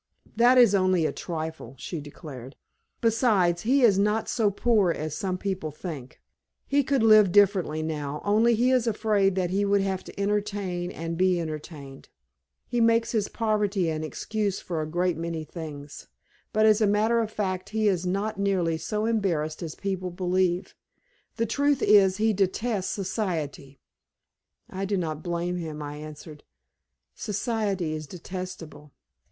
"That is only a trifle," she declared. "Besides, he is not so poor as some people think. He could live differently now, only he is afraid that he would have to entertain and be entertained. He makes his poverty an excuse for a great many things, but as a matter of fact he is not nearly so embarrassed as people believe. The truth is he detests society." "I do not blame him," I answered. "Society is detestable."